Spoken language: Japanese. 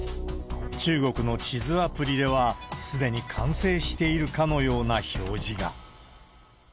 中国の地図アプリでは、すでに完成しているかのような表示が。